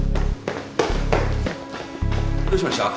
どうしました？